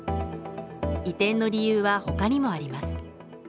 移転の理由は他にもあります。